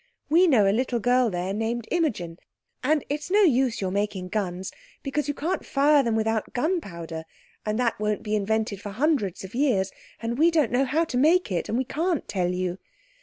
We know a little girl there named Imogen. And it's no use your making guns because you can't fire them without gunpowder, and that won't be invented for hundreds of years, and we don't know how to make it, and we can't tell you.